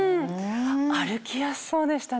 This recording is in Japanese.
歩きやすそうでしたね。